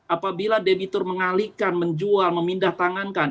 apabila debitur mengalihkan menjual memindah tangankan